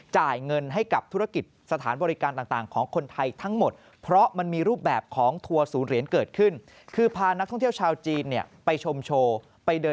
จ่ายเงินให้กับธุรกิจสถานบริการต่างของคนไทยทั้งหมด